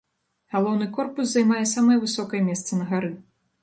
Галоўны корпус займае самае высокае месца на гары.